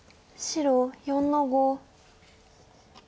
白６の五。